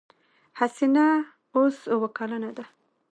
حسينه اوس اوه کلنه ده.